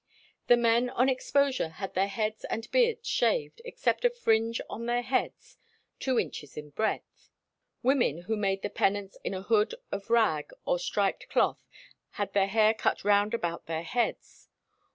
The men on exposure had their heads and beards shaved, except a fringe on their heads two inches in breadth; women who made the penance in a hood of "rag" or striped cloth had their hair cut round about their heads.